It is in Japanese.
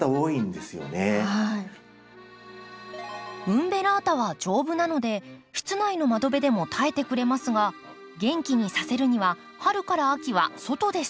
ウンベラータは丈夫なので室内の窓辺でも耐えてくれますが元気にさせるには春から秋は外で育てます。